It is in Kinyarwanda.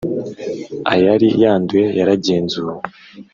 Ayari yanduye yaragenzuwe